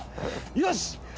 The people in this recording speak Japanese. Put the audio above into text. よし！